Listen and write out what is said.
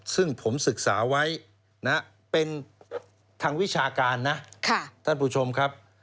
ซึ่งผมศึกษาไว้นะเป็นทางวิชาการนะท่านผู้ชมครับ